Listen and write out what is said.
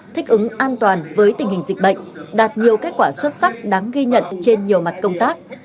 thích ứng an toàn với tình hình dịch bệnh đạt nhiều kết quả xuất sắc đáng ghi nhận trên nhiều mặt công tác